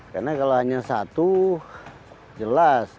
karena kalau hanya satu jelas